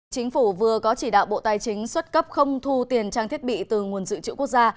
chính phủ vừa có chỉ đạo bộ tài chính xuất cấp không thu tiền trang thiết bị từ nguồn dự trữ quốc gia